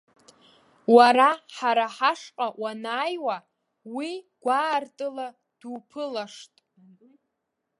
Уара ҳара ҳашҟа уанааиуа уи гәаартыла дуԥылашт.